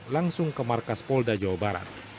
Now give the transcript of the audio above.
langsung ke markas polda jawa barat